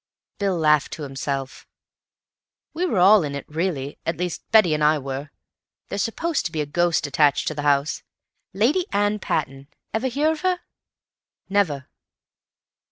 Bill laughed to himself. "We were all in it, really—at least, Betty and I were. There's supposed to be a ghost attached to the house. Lady Anne Patten. Ever heard of her?" "Never."